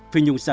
phi nhung sẽ